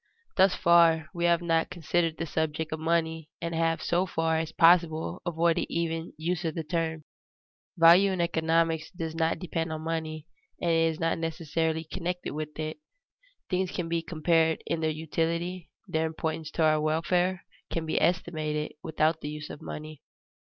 _ Thus far we have not considered the subject of money and have so far as possible avoided even the use of the term. Value in economics does not depend on money, and is not necessarily connected with it. Things can be compared in their utility, their importance to our welfare can be estimated, without the use of money.